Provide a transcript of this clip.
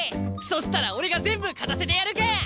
そしたら俺が全部勝たせてやるけん！